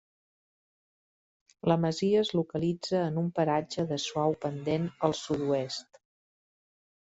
La masia es localitza en un paratge de suau pendent al sud-oest.